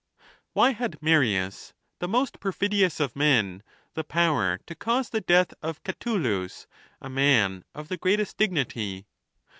Why had Marius, the most perfidious of men, the power to cause the death of Catulus, a man of the greatest dignity